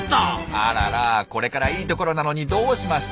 あららこれからいいところなのにどうしました？